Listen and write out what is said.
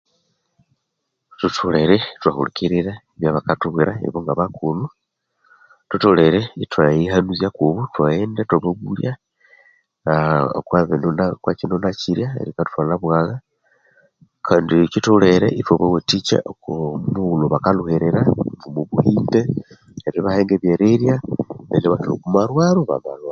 Thutholere ithwahulikirira ebyabakathubwira ibo ngabakulhu thutholere ithwayihanuzya kubo ithaghenda ithwababulya okwa kino na kirya ebikathuthwalha bwagha kindi kyitholere ithwabawathi okwa mughulhu bakalhuhirira omu buhimbe ebyerirya neribathwalha oku marwaro bamalhwalha